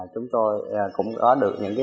chúng tôi cũng có được những